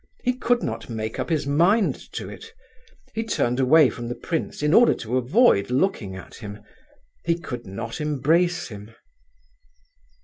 He could not make up his mind to it; he turned away from the prince in order to avoid looking at him. He could not embrace him.